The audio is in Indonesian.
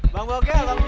bang boke bang cahir